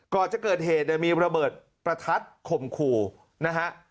ก่อนจะเกิดเหตุเนี่ยมีระเบิดประทัดข่มขู่นะฮะ